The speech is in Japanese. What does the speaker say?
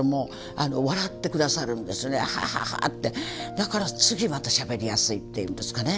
だから次またしゃべりやすいっていうんですかね。